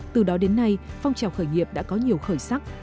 từ đó đến nay phong trào khởi nghiệp đã có nhiều khởi sắc